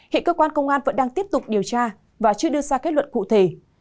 hiện cơ quan công an vẫn đang tiếp tục điều tra và chưa đưa ra kết luận cụ thể